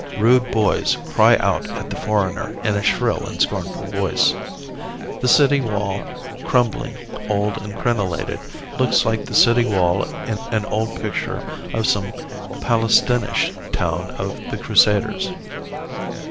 Rude boys cry out at the foreigner in a shrill and scornful voice. The city wall, crumbling, old and crenellated, looks like the city wall in an old picture of some Palestinish town of the Crusaders.